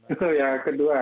itu ya kedua